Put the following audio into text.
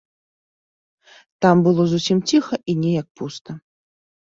Там было зусім ціха і неяк пуста.